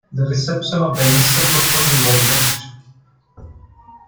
The reception of the initial proposal was mixed.